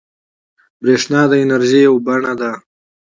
بریښنا د انرژۍ یوه بڼه ده